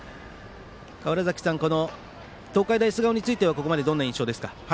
川原崎さん、東海大菅生についてここまでどんな印象ですか。